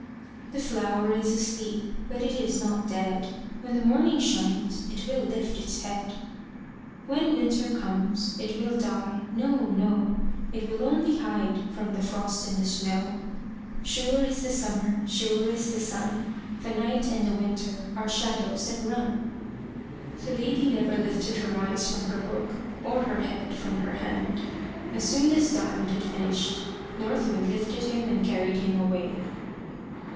The flower is asleep But it is not dead; When the morning shines, It will lift its head. When winter comes, It will die no, no; It will only hide From the frost and the snow. Sure is the summer, Sure is the sun; The night and the winter Are shadows that run. The lady never lifted her eyes from her book, or her head from her hand. As soon as Diamond had finished, North Wind lifted him and carried him away.